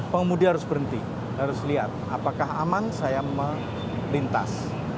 pengemudi harus berhenti harus lihat apakah aman saya melintas